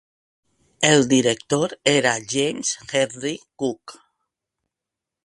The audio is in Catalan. El director era James Henry Cook.